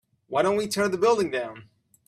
why don't we tear the building down?